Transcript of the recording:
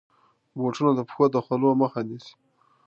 بوټونه د پښو د خولو مخه نیسي.